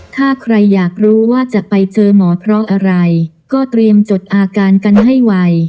ถ้าใครอยากรู้ว่าจะไปเจอหมอเพราะอะไรก็เตรียมจดอาการกันให้ไว